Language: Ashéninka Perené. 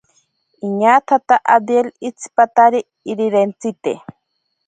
Iñatsata abdiel itsipatari irirentsite.